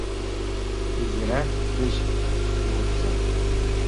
Изирак деч лӱдса